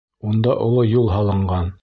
Унда оло юл һалынған.